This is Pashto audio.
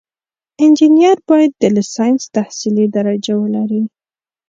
انجینر باید د لیسانس تحصیلي درجه ولري.